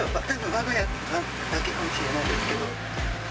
わが家だけかもしれないですね。